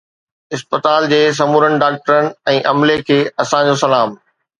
اسپتال جي سمورن ڊاڪٽرن ۽ عملي کي اسانجو سلام